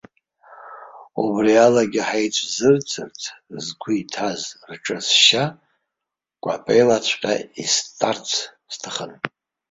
Убриалагьы ҳаицәзырӡырц згәы иҭаз рҿы сшьа кәапеилаҵәҟьа истарц сҭахын.